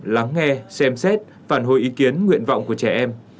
lắng nghe xem xét phản hồi ý kiến nguyện vọng của trẻ em